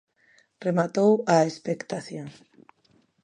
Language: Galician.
Rematou a expectación.